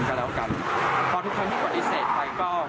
เพราะทุกคนที่ยิ่งก่อนที่เสร็จไปก็